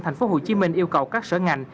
thành phố hồ chí minh yêu cầu các sở ngành